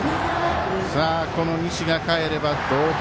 この西がかえれば同点。